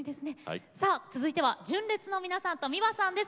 さあ続いては純烈の皆さんとｍｉｗａさんです。